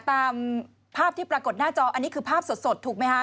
ตามภาพที่ปรากฏหน้าจออันนี้คือภาพสดถูกไหมคะ